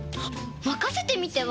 まかせてみては？